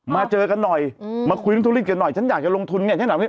มาเจอกันหน่อยมาคุยกับทุริย์กันหน่อยฉันอยากจะลงทุน